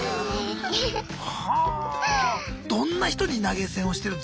どんな人に投げ銭をしてるんですか？